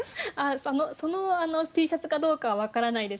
そのＴシャツかどうかは分からないです。